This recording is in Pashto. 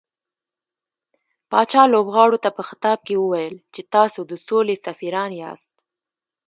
پاچا لوبغاړو ته په خطاب کې وويل چې تاسو د سولې سفيران ياست .